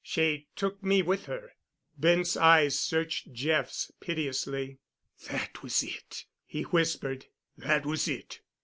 She took me with her." Bent's eyes searched Jeff's piteously. "That was it," he whispered, "that was it.